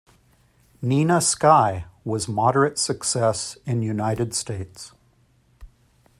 "Nina Sky" was moderate success in United States.